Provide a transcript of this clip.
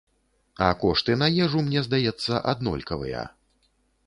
А кошты на ежу, мне здаецца, аднолькавыя.